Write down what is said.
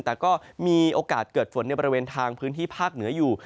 แต่ก็มีโอกาสเกิดฝนในบริเวณทางพื้นที่ภาคเหนืออยู่